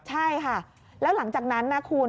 ใช่ค่ะแล้วหลังจากนั้นนะคุณ